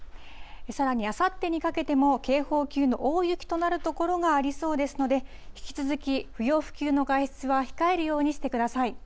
さらに、あさってにかけても警報級の大雪となる所がありそうですので、引き続き不要不急の外出は控えるようにしてください。